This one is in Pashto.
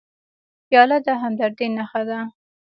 پیاله د همدردۍ نښه ده.